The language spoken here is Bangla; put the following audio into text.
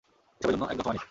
এসবের জন্য একদম সময় নেই।